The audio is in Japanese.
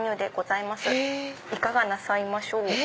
いかがなさいましょう？